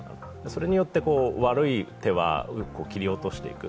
それによって悪い手はうまく切り落としていく。